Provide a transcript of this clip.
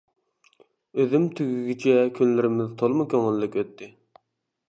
ئۈزۈم تۈگىگىچە كۈنلىرىمىز تولىمۇ كۆڭۈللۈك ئۆتتى.